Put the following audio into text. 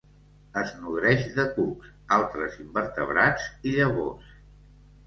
Es nodreix de cucs, altres invertebrats i llavors.